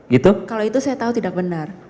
gitu kalau itu saya tahu tidak benar